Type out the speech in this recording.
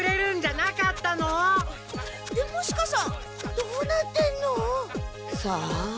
どうなってんの？さあ。